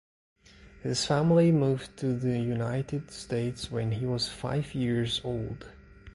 His family moved to the United States when he was five years old.